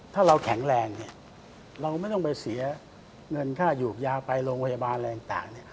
ถ้าเราแข็งแรงเราไม่ต้องไปเสียเงินค่าหยูกยาไปโรงพยาบาลอะไรต่าง